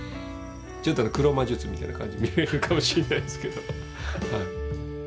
ちょっと黒魔術みたいな感じに見えるかもしれないですけど。